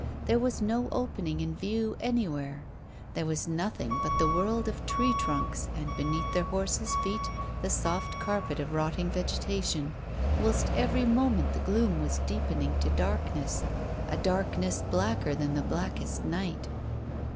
There was no opening in view anywhere; there was nothing but the world of tree trunks, and, beneath their horses' feet, the soft carpet of rotting vegetation, whilst every moment the gloom was deepening to darkness a darkness blacker than the blackest night.